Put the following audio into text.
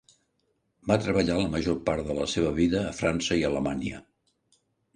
Va treballar la major part de la seva vida a França i Alemanya.